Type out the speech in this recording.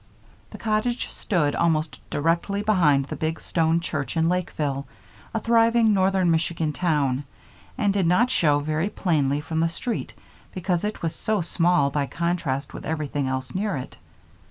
The cottage stood almost directly behind the big stone church in Lakeville, a thriving Northern Michigan town, and did not show very plainly from the street because it was so small by contrast with everything else near it.